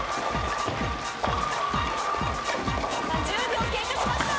１０秒経過しました！